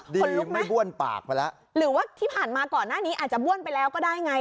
คนลุกไม่บ้วนปากไปแล้วหรือว่าที่ผ่านมาก่อนหน้านี้อาจจะบ้วนไปแล้วก็ได้ไง